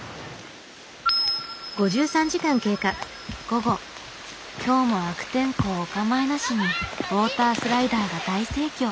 午後今日も悪天候おかまいなしにウォータースライダーが大盛況。